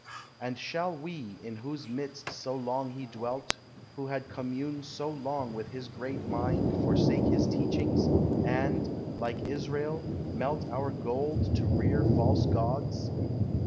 And shall we, in whose midst so long he dwelt, Who had commune so long with his great mind, Forsake his teachings, and, like Israel, melt Our gold to rear false gods!